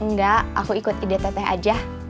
enggak aku ikut ide teteh aja